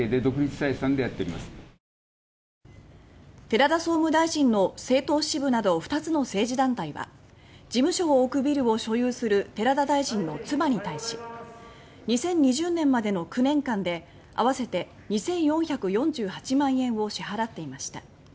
寺田総務大臣の政党支部など２つの政治団体は事務所を置くビルを所有する寺田大臣の妻に対し２０２０年までの９年間で合わせて２４４８万円を支払っていました。